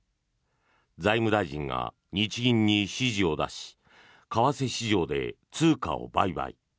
財務大臣が日銀に指示を出し為替市場で通貨を売買。